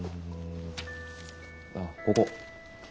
ああここ。